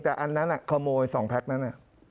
แต่อันนั้นขโมย๒แพ็คนั้น